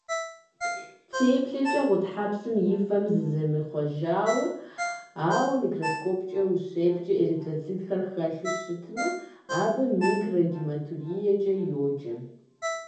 Теплъэкӏэ гъутхьэпсым и фэм зимыхъуэжауэ, ауэ микроскопкӏэ ущеплъкӏэ эритроцитхэр хэлъу щытмэ, абы микрогематуриекӏэ йоджэ.